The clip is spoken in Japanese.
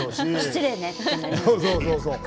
そうそうそうそう。